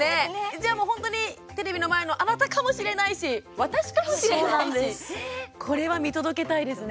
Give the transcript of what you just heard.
じゃあ、もう本当にテレビの前のあなたかもしれないし私かもしれないしこれは見届けたいですね。